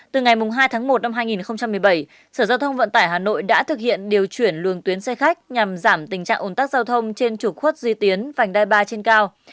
từ ngày hai tháng một năm hai nghìn một mươi bảy sở giao thông vận tải hà nội đã thực hiện điều chuyển luồng tuyến xe khách nhằm giảm tình trạng ồn tắc giao thông trên trục khuất duy tiến vành đai ba trên cao